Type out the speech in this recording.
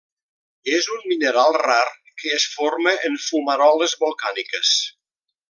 És un mineral rar que es forma en fumaroles volcàniques.